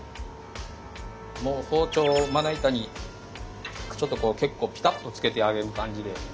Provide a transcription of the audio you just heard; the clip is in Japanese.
もう包丁をまな板にちょっと結構ピタッとつけてあげる感じで。